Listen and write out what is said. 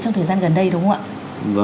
trong thời gian gần đây đúng không ạ